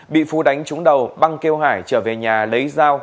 bị phú đánh trúng đầu băng kêu hải trở về nhà lấy dao